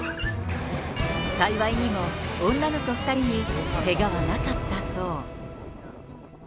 幸いにも、女の子２人にけがはなかったそう。